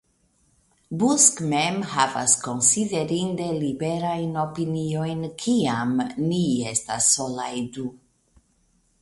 Busk mem havas konsiderinde liberajn opiniojn, kiam ni estas solaj du.